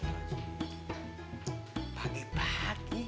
pagi pagi udah paling berdebat soal gue